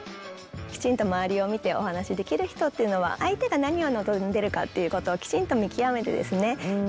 きちんと周りを見てお話しできる人っていうのは相手が何を望んでるかっていうことをきちんと見極めてですね